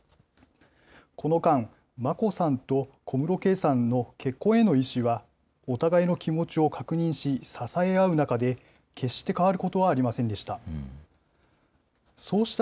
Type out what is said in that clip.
この間、眞子さんと小室圭さんの結婚への意思は、お互いの気持ちを確認し、支え合う中で、決して変わることはありませんでした。